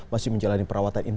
masih menjalani perawatan